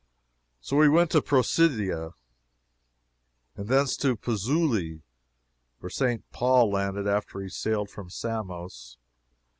So we went to Procida, and from thence to Pozzuoli, where St. Paul landed after he sailed from Samos.